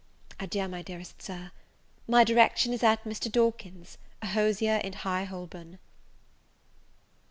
Adieu, my dearest Sir. My direction is at Mr. Dawkin's, a hosier in High Holborn.